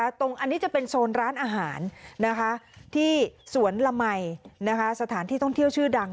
อันนี้จะเป็นโซนร้านอาหารที่สวนละมัยสถานที่ท่องเที่ยวชื่อดัง